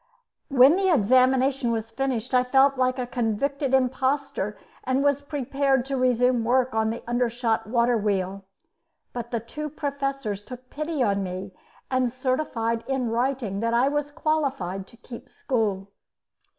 When the examination was finished, I felt like a convicted impostor, and was prepared to resume work on the undershot water wheel, but the two professors took pity on me, and certified in writing that I was qualified to keep school.